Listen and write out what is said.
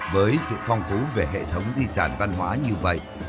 với sự phong phú về hệ thống di sản văn hóa như vậy